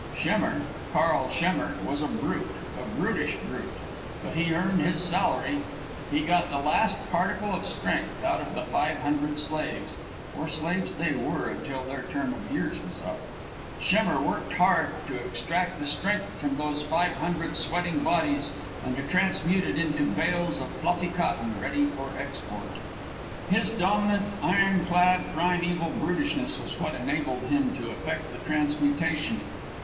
Schemmer, Karl Schemmer, was a brute, a brutish brute. But he earned his salary. He got the last particle of strength out of the five hundred slaves; for slaves they were until their term of years was up. Schemmer worked hard to extract the strength from those five hundred sweating bodies and to transmute it into bales of fluffy cotton ready for export. His dominant, iron clad, primeval brutishness was what enabled him to effect the transmutation.